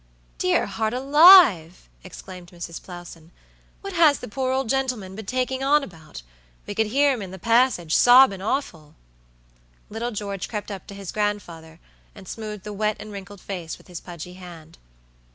"Dear heart alive!" exclaimed Mrs. Plowson, "what has the poor old gentleman been taking on about? We could hear him in the passage, sobbin' awful." Little George crept up to his grandfather, and smoothed the wet and wrinkled face with his pudgy hand.